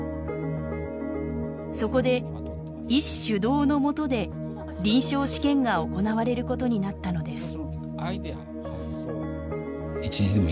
そこで医師主導のもとで臨床試験が行われることになったのです。